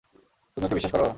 তুমি ওকে বিশ্বাস কর?